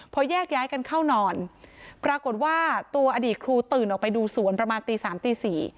พอแยกย้ายกันเข้านอนปรากฏว่าตัวอดีตครูตื่นออกไปดูสวนประมาณตีสามตีสี่